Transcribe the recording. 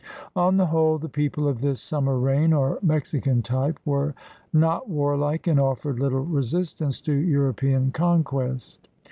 On the whole, the people of this summer rain or Mexican type were not warlike and offered little resistance to European conquest.